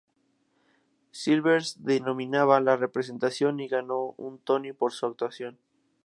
Silvers dominaba la representación, y ganó un Tony por su actuación.